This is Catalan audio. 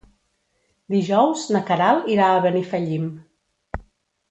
Dijous na Queralt irà a Benifallim.